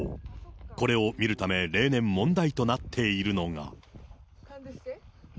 これを見るため例年、問題となっているのが。